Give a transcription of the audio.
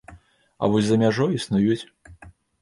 А вось за мяжой існуюць.